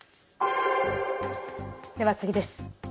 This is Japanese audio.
では、次です。